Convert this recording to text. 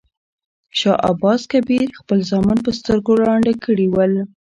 شاه عباس کبیر خپل زامن په سترګو ړانده کړي ول.